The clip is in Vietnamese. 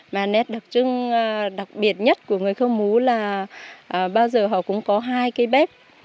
mà nét đặc trưng đặc biệt nhất của người khơ mú là bao giờ họ cũng có hai cái bếp